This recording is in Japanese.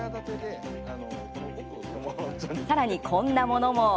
さらに、こんなものも。